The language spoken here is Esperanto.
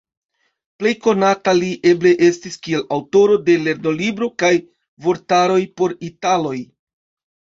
Plej konata li eble estis kiel aŭtoro de lernolibro kaj vortaroj por italoj.